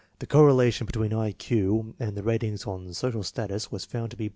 The correlation between I Q and the ratings on social status was found to be